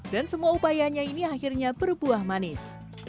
dan semua upayanya ini akhirnya berbuah manis